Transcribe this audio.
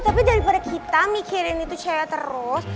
tapi daripada kita mikirin itu cewek terus